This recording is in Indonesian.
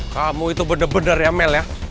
kamu itu benar benar ya mel ya